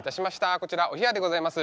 こちらお冷やでございます。